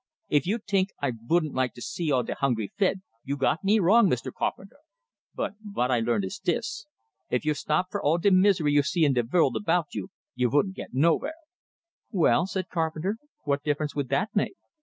If you tink I vouldn't like to see all de hungry fed, you got me wrong, Mr. Carpenter; but vot I learned is dis if you stop fer all de misery you see in de vorld about you, you vouldn't git novhere." "Well," said Carpenter, "what difference would that make?"